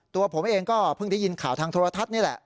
ตัวผมเองก็เพิ่งได้ยินข่าวทางโทรทัศน์นี่แหละ